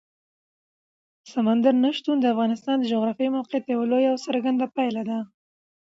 سمندر نه شتون د افغانستان د جغرافیایي موقیعت یوه لویه او څرګنده پایله ده.